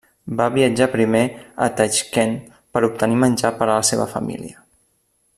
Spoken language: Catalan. Va viatjar primer a Taixkent per obtenir menjar per a la seva família.